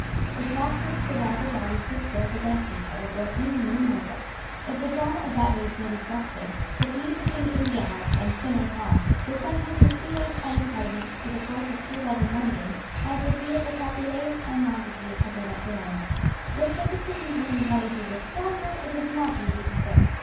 The tracts which the rival bodies put forth against each other were innumerable. If the drama of that age may be trusted, the feud between the India House and Skinners' Hall was sometimes as serious an impediment to the course of true love in London as the feud of the Capulets and Montagues had been at Verona. Which of the two contending parties was the stronger it is not easy to say.